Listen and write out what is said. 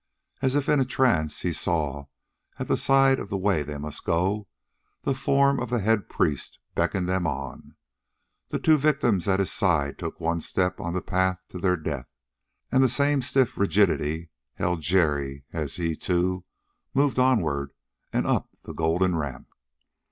As if in a trance he saw, at the side of the way they must go, the form of the head priest beckon them on. The two victims at his side took one step on the path to their death. And the same stiff rigidity held Jerry as he, too, moved onward and up the golden ramp.